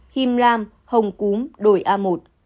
him lam hồng cúm đổi a một